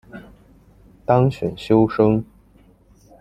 当选修生